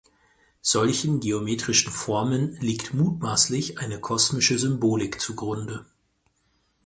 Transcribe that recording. Solchen geometrischen Formen liegt mutmaßlich eine kosmische Symbolik zugrunde.